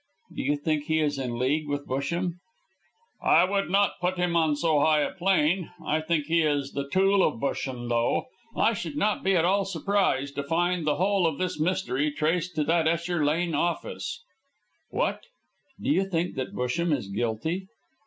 "Do you think he is in league with Busham?" "I would not put him on so high a plane. I think he is the tool of Busham, though. I should not be at all surprised to find the whole of this mystery traced to that Esher Lane office." "What! Do you think that Busham is guilty?"